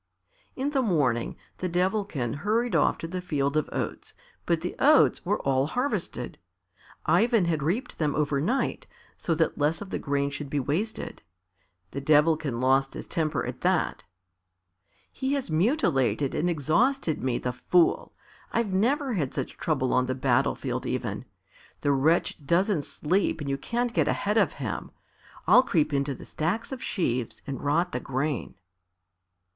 In the morning the Devilkin hurried off to the field of oats, but the oats were all harvested. Ivan had reaped them overnight so that less of the grain should be wasted. The Devilkin lost his temper at that. "He has mutilated and exhausted me, the fool! I've never had such trouble on the battlefield even. The wretch doesn't sleep and you can't get ahead of him. I'll creep into the stacks of sheaves and rot the grain."